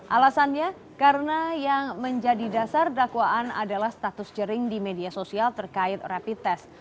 alasannya karena yang menjadi dasar dakwaan adalah status jering di media sosial terkait rapid test